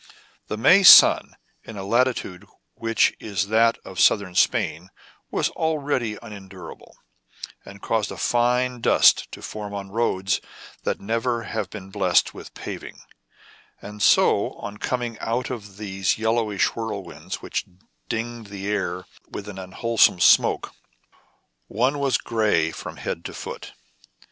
The May sun, in a latitude which is that of Southern Spain, was already unendurable, and caused a fine dust to form on roads that never have been blessed with paving; so that, on coming out of these yellowish whirlwinds which dinged the air like an unwholesome smoke, one was gray from head to foot.